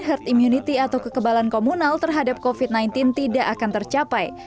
herd immunity atau kekebalan komunal terhadap covid sembilan belas tidak akan tercapai